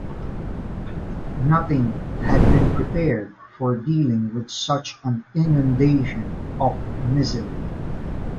Nothing had been prepared for dealing with such an inundation of misery.